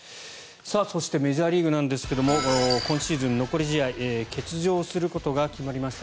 そしてメジャーリーグなんですが今シーズン残り試合欠場することが決まりました